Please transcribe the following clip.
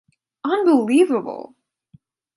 Unbelievable!